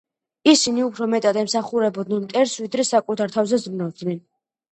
ისინი უფრო მეტად ემსახურებოდნენ მტერს, ვიდრე საკუთარ თავზე ზრუნავდნენ.